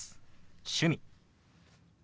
「趣味」。